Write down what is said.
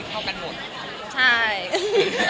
ก็เลยเอาข้าวเหนียวมะม่วงมาปากเทียน